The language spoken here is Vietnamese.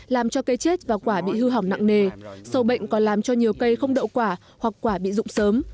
làm cho cây chết và quả bị hư hỏng nặng nề sâu bệnh còn làm cho nhiều cây không đậu quả hoặc quả bị dụng sớm